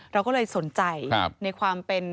เราก็เลยสนใจในความเป็น